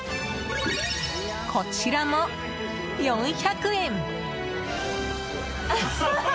こちらも４００円。